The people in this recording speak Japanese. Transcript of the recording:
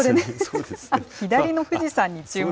あ、左の富士山に注目。